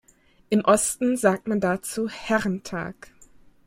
Im Osten sagt man dazu Herrentag.